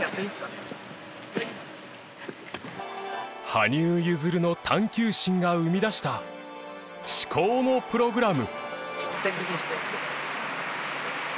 羽生結弦の探求心が生み出した至高のプログラム。